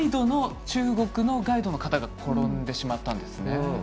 中国のガイドの方が転んでしまったんですよね。